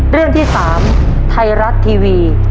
เรื่องที่๓ไทยรัฐทีวี